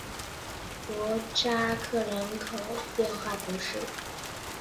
博扎克人口变化图示